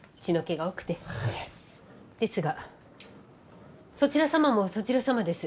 ですがそちら様もそちら様です。